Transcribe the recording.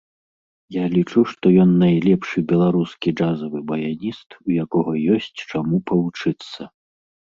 Я лічу, што ён найлепшы беларускі джазавы баяніст, у якога ёсць чаму павучыцца.